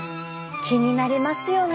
気になりますよね？